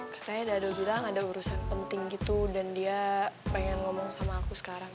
katanya dada bilang ada urusan penting gitu dan dia pengen ngomong sama aku sekarang